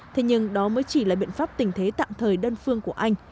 thế nhưng đó mới chỉ là biện pháp tình thế tạm thời đơn phương của anh